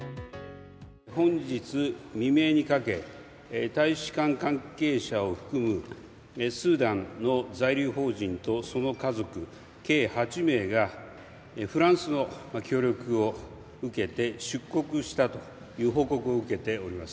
本日未明にかけ、大使館関係者を含む、スーダンの在留邦人とその家族、計８名が、フランスの協力を受けて、出国したという報告を受けております。